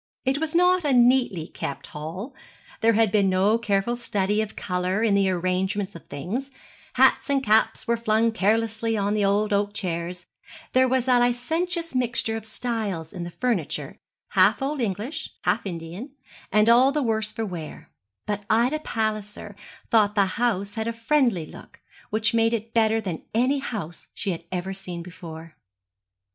It was not a neatly kept hall. There had been no careful study of colour in the arrangement of things hats and caps were flung carelessly on the old oak chairs there was a licentious mixture of styles in the furniture half Old English, half Indian, and all the worse for wear: but Ida Palliser thought the house had a friendly look, which made it better than any house she had ever seen before.